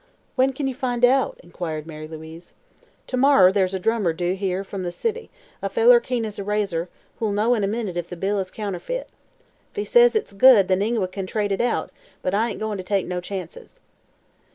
"When can you find out?" inquired Mary Louise. "To morrer there's a drummer due here f'm the city a feller keen as a razor who'll know in a minute if the bill is a counterfeit. If he says it's good, then Ingua kin trade it out, but I ain't goin' to take no chances."